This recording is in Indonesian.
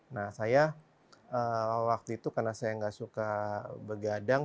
nah saya waktu itu karena saya nggak suka begadang